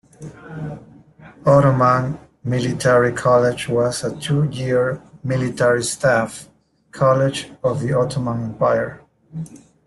Ottoman Military College was a two-year military staff college of the Ottoman Empire.